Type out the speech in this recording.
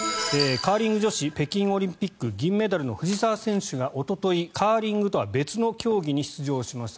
カーリング女子北京オリンピック銀メダルの藤澤選手がおととい、カーリングとは別の競技に出場しました。